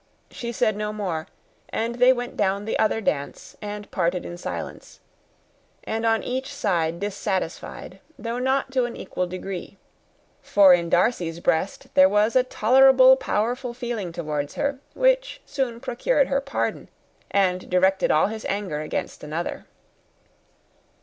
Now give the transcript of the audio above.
She said no more, and they went down the other dance and parted in silence; on each side dissatisfied, though not to an equal degree; for in Darcy's breast there was a tolerably powerful feeling towards her, which soon procured her pardon, and directed all his anger against another.